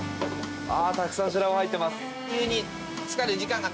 たくさんシラウオ入っています。